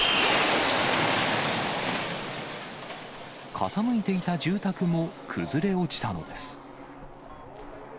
傾いていた住宅も崩れ落ちたのです。